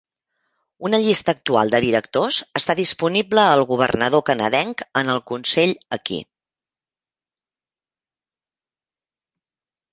Una llista actual de directors està disponible al governador canadenc en el Consell aquí.